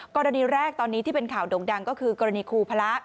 กรณีแรกตอนนี้ที่เป็นข่าวโด่งดังก็คือกรณีครูพระ